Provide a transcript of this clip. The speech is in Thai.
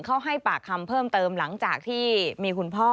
เขาให้ปากคำเพิ่มเติมหลังจากที่มีคุณพ่อ